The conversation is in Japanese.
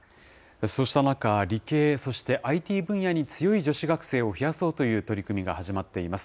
そうした中、理系、そしてＩＴ分野に強い女子学生を増やそうという取り組みが始まっています。